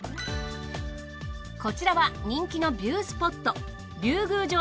こちらは人気のビュースポット。